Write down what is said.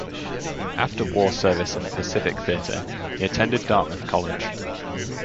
After war service in the Pacific theater, he attended Dartmouth College.